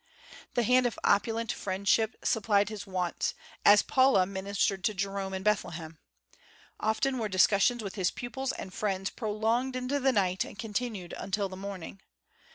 The hand of opulent friendship supplied his wants, as Paula ministered to Jerome in Bethlehem. Often were discussions with his pupils and friends prolonged into the night and continued until the morning.